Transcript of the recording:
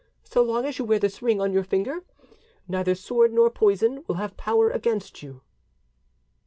So long as you wear this ring on your finger, neither sword nor poison will have power against you."